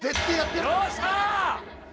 よっしゃ！